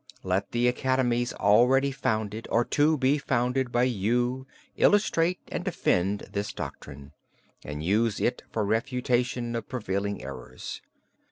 Let the academies already founded or to be founded by you illustrate and defend this doctrine, and use it for refutation of prevailing errors.